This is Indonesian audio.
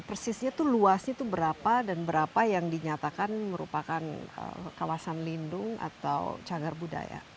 persisnya itu luasnya itu berapa dan berapa yang dinyatakan merupakan kawasan lindung atau cagar budaya